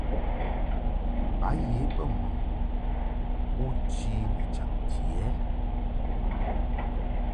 Ba ye bə mɨ u chi ni chaŋti ɛ ?